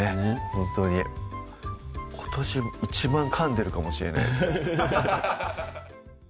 ほんとに今年一番かんでるかもしれないです